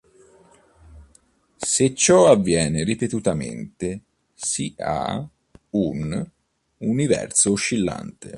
Se ciò avviene ripetutamente si ha un universo oscillante.